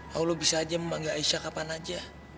lalu lo bisa saja membanggah aisyah kapan saja